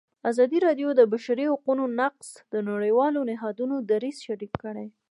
ازادي راډیو د د بشري حقونو نقض د نړیوالو نهادونو دریځ شریک کړی.